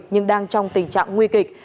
nhưng đang trong tình trạng nguy kịch